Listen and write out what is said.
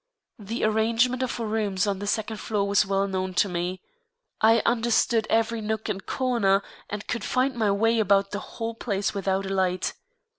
The arrangement of rooms on the second floor was well known to me. I understood every nook and corner and could find my way about the whole place without a light.